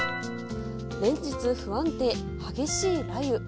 連日不安定、激しい雷雨。